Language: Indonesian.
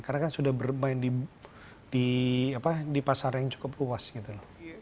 karena kan sudah bermain di pasar yang cukup luas gitu loh